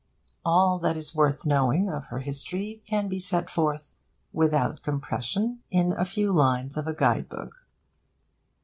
All that is worth knowing of her history can be set forth without compression in a few lines of a guide book.